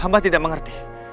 hamba tidak mengerti